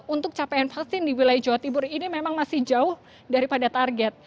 untuk capaian vaksin di wilayah jawa timur ini memang masih jauh daripada target